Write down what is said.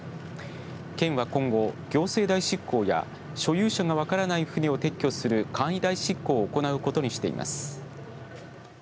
県は今後、行政代執行や所有者が分からない船を撤去する簡易代執行を行うことにしています。